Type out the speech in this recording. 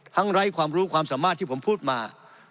ไร้ความรู้ความสามารถที่ผมพูดมา